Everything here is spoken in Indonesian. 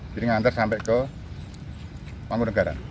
jadi nganter sampai ke panggung negara